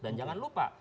dan jangan lupa